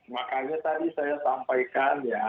makanya tadi saya sampaikan ya